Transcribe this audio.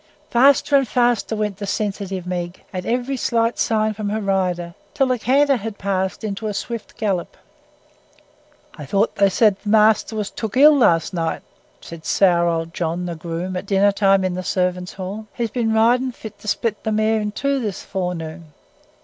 Faster and faster went the sensitive Meg, at every slight sign from her rider, till the canter had passed into a swift gallop. "I thought they said th' young mester war took ill last night," said sour old John, the groom, at dinner time in the servants' hall. "He's been ridin' fit to split the mare i' two this forenoon."